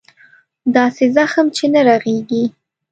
داسې زخم چې نه رغېږي.